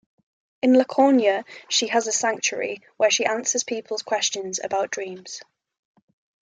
In Laconia, she has a sanctuary, where she answers people's questions about dreams.